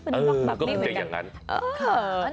เออก็คงจะอย่างนั้น